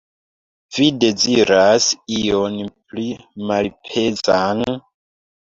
Vi deziras ion pli malpezan?